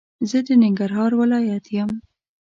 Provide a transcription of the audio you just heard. زه د ننګرهار ولايت يم